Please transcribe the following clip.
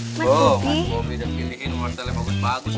mas bobby udah pilihin wortel yang bagus bagus nih